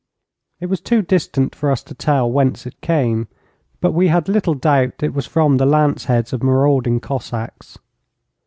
It was too distant for us to tell whence it came, but we had little doubt that it was from the lance heads of marauding Cossacks.